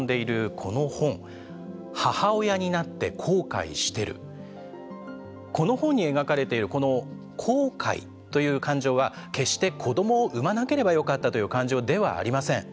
この本に描かれているこの後悔という感情は決して子どもを産まなければよかったという感情ではありません。